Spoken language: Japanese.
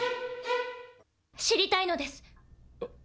知りたいのです。